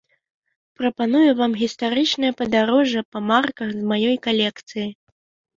Прапаную вам гістарычнае падарожжа па марках з маёй калекцыі.